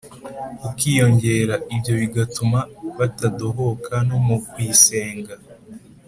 ukiyongera; ibyo bigatuma batadohoka no mu kuyisenga.